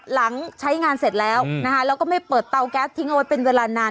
หลังใช้งานเสร็จแล้วนะคะแล้วก็ไม่เปิดเตาแก๊สทิ้งเอาไว้เป็นเวลานาน